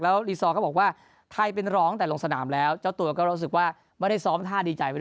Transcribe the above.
รีซอร์ก็บอกว่าไทยเป็นร้องแต่ลงสนามแล้วเจ้าตัวก็รู้สึกว่าไม่ได้ซ้อมท่าดีใจไปด้วย